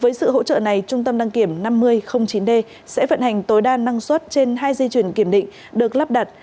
với sự hỗ trợ này trung tâm đăng kiểm năm nghìn chín d sẽ vận hành tối đa năng suất trên hai dây chuyển kiểm định được lắp đặt